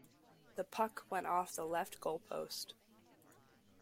The puck went off the left goal post.